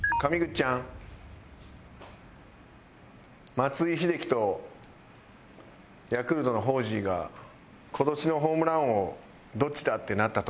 松井秀喜とヤクルトのホージーが今年のホームラン王どっちだ？ってなった年覚えてる？